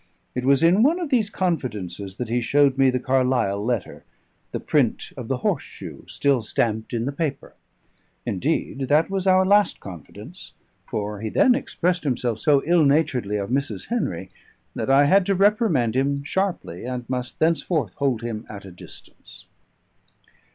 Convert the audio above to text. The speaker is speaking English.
It was in one of these confidences that he showed me the Carlisle letter, the print of the horse shoe still stamped in the paper. Indeed, that was our last confidence; for he then expressed himself so ill naturedly of Mrs. Henry that I had to reprimand him sharply, and must thenceforth hold him at a distance.